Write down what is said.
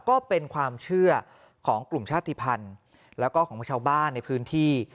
ก็เป็นความเชื่อของกลุ่มชาติภัณฑ์แล้วก็ของชาวบ้านในพื้นที่